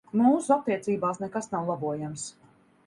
Mūsu attiecībās nekas nav labojams.